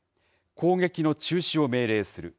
攻撃の中止を命令する。